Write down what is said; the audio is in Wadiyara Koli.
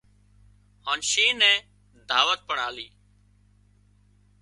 هانَ شينهن نين دعوت پڻ آلي